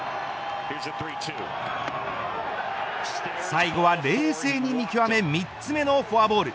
最後は冷静に見極め３つ目のフォアボール。